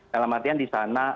dalam artian di sana